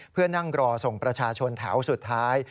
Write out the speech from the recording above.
เพื่อนั่งรอส่งประชาชนแถวสุดท้าย